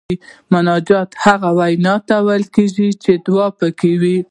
مناجات هغې وینا ته ویل کیږي چې دعا پکې وي.